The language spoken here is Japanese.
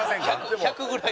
１００ぐらい。